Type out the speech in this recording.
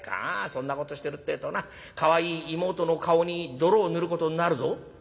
そんなことしてるってえとなかわいい妹の顔に泥を塗ることになるぞ」。